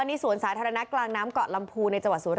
นี่ไงเห็นไหม